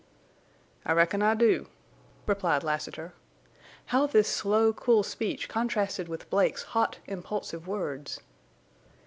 "I reckon I do," replied Lassiter. How this slow, cool speech contrasted with Blake's hot, impulsive words!